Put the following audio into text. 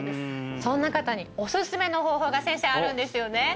そんな方におすすめの方法が先生あるんですよね？